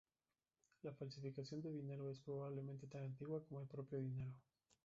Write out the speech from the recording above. La falsificación de dinero es probablemente tan antigua como el propio dinero.